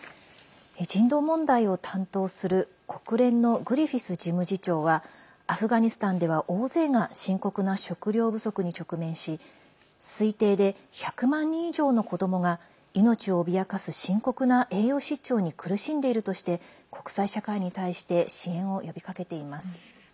人道問題を担当する国連のグリフィス事務次長はアフガニスタンでは大勢が深刻な食料不足に直面し推定で１００万人以上の子どもが命を脅かす深刻な栄養失調に苦しんでいるとして国際社会に対して支援を呼びかけています。